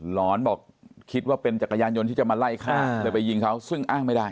หอนบอกคิดว่าเป็นจักรยานยนต์ที่จะมาไล่ฆ่าเลยไปยิงเขาซึ่งอ้างไม่ได้